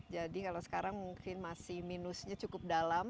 jadi kalau sekarang mungkin masih minusnya cukup dalam